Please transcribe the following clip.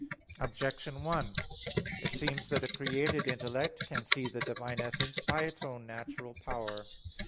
Objection 1: It seems that a created intellect can see the Divine essence by its own natural power.